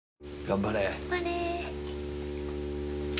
頑張れ。